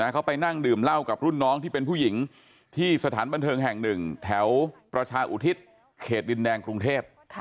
เขาไปนั่งดื่มเหล้ากับรุ่นน้องที่เป็นผู้หญิงที่สถานบันเทิงแห่งหนึ่งแถวประชาอุทิศเขตดินแดงกรุงเทพ